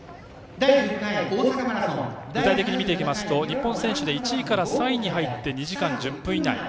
具体的に見ていきますと日本選手で１位から３位で入って２時間１０分以内。